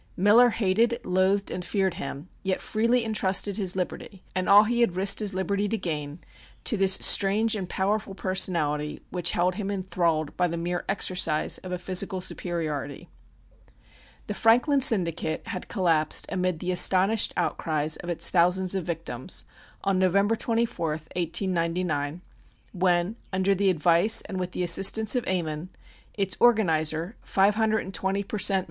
Miller hated, loathed and feared him, yet freely entrusted his liberty, and all he had risked his liberty to gain, to this strange and powerful personality which held him enthralled by the mere exercise of a physical superiority. The "Franklin Syndicate" had collapsed amid the astonished outcries of its thousands of victims, on November 24th, 1899, when, under the advice and with the assistance of Ammon, its organizer, "520 per cent.